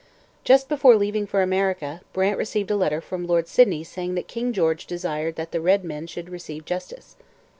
Just before leaving for America, Brant received a letter from Lord Sydney saying that King George desired that the red men should receive justice.